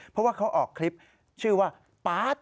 เพราะว่าเขาออกคลิปชื่อว่าปาร์ด